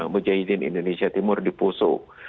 mujahidin indonesia timur di poso